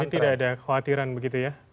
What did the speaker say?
jadi tidak ada kekhawatiran begitu ya